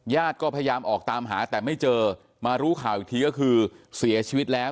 ก็พยายามออกตามหาแต่ไม่เจอมารู้ข่าวอีกทีก็คือเสียชีวิตแล้ว